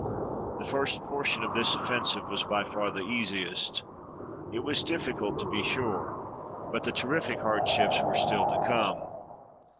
The first portion of this offensive was by far the easiest. It was difficult, to be sure, but the terrific hardships were still to come.